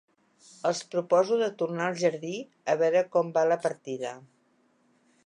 Els proposo de tornar al jardí, a veure com va la partida.